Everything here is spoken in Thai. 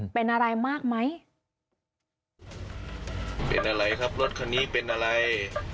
เป็นอะไรมากไหมเป็นอะไรครับรถคันนี้เป็นอะไร